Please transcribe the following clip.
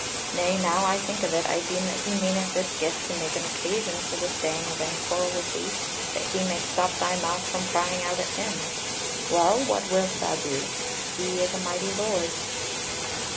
Nay, now I think of it, I deem that he meaneth this gift to make an occasion for the staying of any quarrel with thee, that he may stop thy mouth from crying out at him well, what wilt thou do? he is a mighty Lord."